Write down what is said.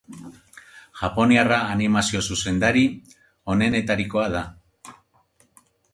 Japoniarra animazio zuzendari onenetarikoa da.